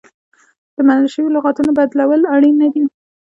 د منل شویو لغتونو بدلول اړین نه دي.